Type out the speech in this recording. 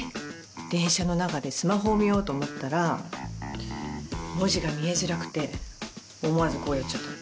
電車の中でスマホを見ようと思ったら文字が見えづらくて思わずこうやっちゃったの。